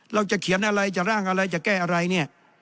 เราจะเขียนอะไรจะร่างอะไรจะแก้อะไรเนี่ย